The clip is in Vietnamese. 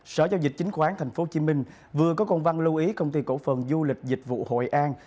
sở giao dịch chính khoán tp hcm vừa có công văn lưu ý công ty cổ phần du lịch dịch vụ hội an